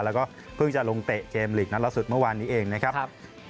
ลงเตะเกมศ์หลีกนัดละสุดเมื่อวานนี้เองนะครับ